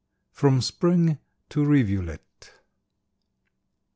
FROM SPRING TO RIVULET.